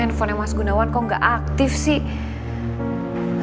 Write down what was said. handphonenya mas gunawan kok gak aktif sih